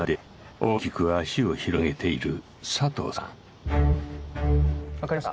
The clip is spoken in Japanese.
大きく足を広げている佐藤さんわかりました。